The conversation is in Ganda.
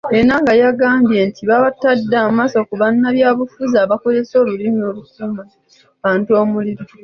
Ennanga yagambye nti batadde amaaso ku bannabyabufuzi abakozesa olulimi olukuma mu bantu omuliro .